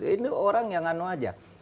ini orang yang enggak ngano aja